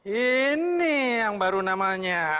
ini yang baru namanya